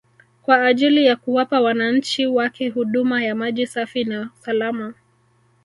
kwa ajili ya kuwapa wananchi wake huduma ya maji safi na salama